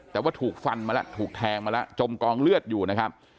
แต่ว่าถูกฟันมาแล้วถูกแทงมาแล้วจมกองเลือดอยู่นะครับ